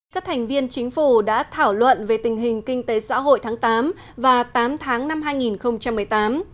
các thành viên chính phủ đã thảo luận về tình hình kinh tế xã hội tháng tám và tám tháng năm hai nghìn một mươi tám